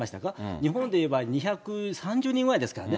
日本で言えば２３０人ぐらいですからね。